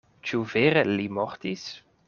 Ĉu vere li mortis?